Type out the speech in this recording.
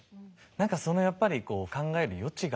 何かそのやっぱりこう考える余地がある。